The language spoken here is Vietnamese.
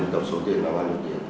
hai đơn ạ